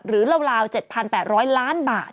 ราว๗๘๐๐ล้านบาท